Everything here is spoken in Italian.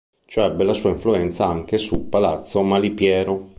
Ciò ebbe la sua influenza anche su Palazzo Malipiero.